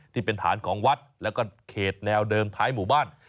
ที่เป็นฐานของวัดแล้วก็เขตแนวเดิมท้ายหมู่บ้าน